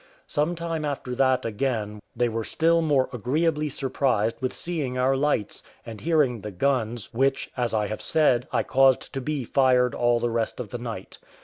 Some time after that again they were still more agreeably surprised with seeing our lights, and hearing the guns, which, as I have said, I caused to be fired all the rest of the night.